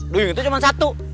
duyung itu cuma satu